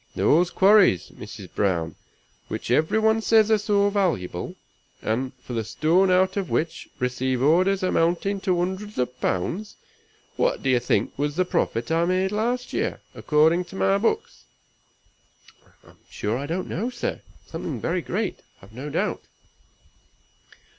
Those quarries, Mrs. Browne, which every one says are so valuable, and for the stone out of which receive orders amounting to hundreds of pounds, what d'ye think was the profit I made last year, according to my books?" "I'm sure I don't know, sir; something very great, I've no doubt."